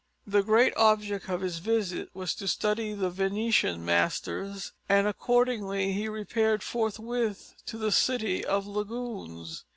The great object of his visit was to study the Venetian masters, and accordingly he repaired forthwith to the City of the Lagoons.